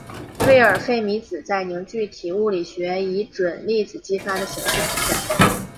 魏尔费米子在凝聚体物理学里以准粒子激发的形式存在。